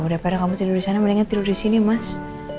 daripada kamu tidur di sana mendingan tidur di sini mas